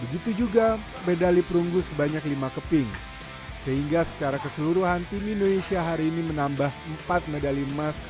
begitu juga medali perunggu sebanyak lima keping sehingga secara keseluruhan tim indonesia hari ini